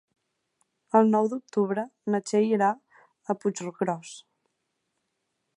El nou d'octubre na Txell irà a Puiggròs.